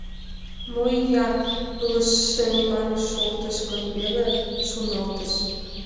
«Мо ия, пылышемлан шоктыш гын веле?» — шоналтыш.